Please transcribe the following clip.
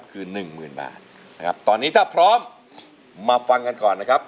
คือหนึ่งหมื่นบาทนะครับตอนนี้ถ้าพร้อมมาฟังกันก่อนนะครับ